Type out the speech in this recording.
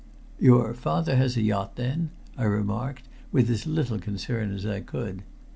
"Your father has a yacht, then?" I remarked, with as little concern as I could.